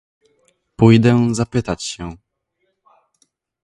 "Pójdę zapytać się."